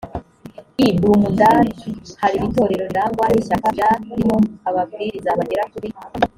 i brumunddal hari itorero rirangwa n ishyaka ryarimo ababwiriza bagera kuri